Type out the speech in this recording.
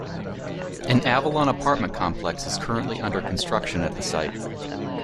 An Avalon apartment complex is currently under construction at the site.